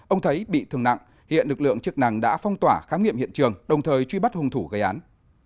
ông thấy bị thương nặng hiện lực lượng chức năng đã phong tỏa khám nghiệm hiện trường đồng thời truy bắt hung thủ gây án